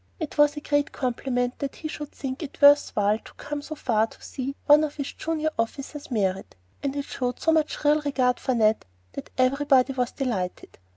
It was a great compliment that he should think it worth while to come so far to see one of his junior officers married; and it showed so much real regard for Ned that everybody was delighted.